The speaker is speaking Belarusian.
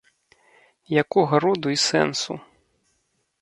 Якога роду і сэнсу?